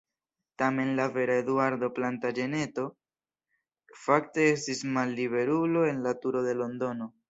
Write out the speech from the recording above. Tamen la vera Eduardo Plantaĝeneto fakte estis malliberulo en la Turo de Londono.